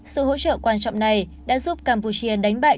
sự hỗ trợ quan trọng này đã giúp campuchia đánh bại